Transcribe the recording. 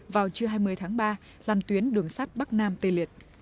vào trưa hai mươi tháng ba lan tuyến đường sát bắc nam tê liệt